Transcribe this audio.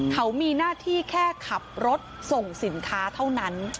เขามีหน้าที่แค่ขับรถส่งสินค้าเท่านั้น